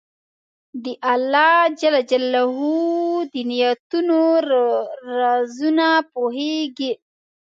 الله د نیتونو رازونه پوهېږي.